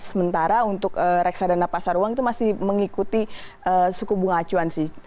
sementara untuk reksadana pasar uang itu masih mengikuti suku bunga acuan sih